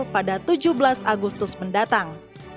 pada tujuh belas agustus mendatang